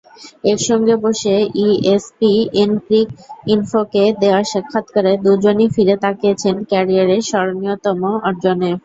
একসঙ্গে বসে ইএসপিএনক্রিকইনফোকে দেওয়া সাক্ষাৎকারে দুজনই ফিরে তাকিয়েছেন ক্যারিয়ারের স্মরণীয়তম অর্জনে।